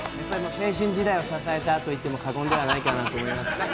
青春時代を支えたと言っても過言ではないかなと思います。